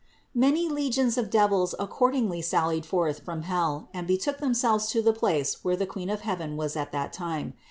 Many legions of devils accordingly sallied forth from hell and betook themselves to the place where the Queen of heaven was at that time.